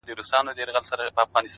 په سپورږمۍ كي ستا تصوير دى،